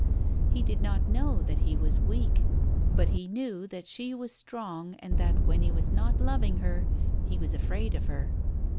He did not know that he was weak, but he knew that she was strong and that when he was not loving her, he was afraid of her.